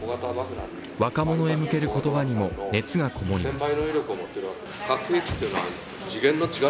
若者へ向ける言葉にも熱がこもります。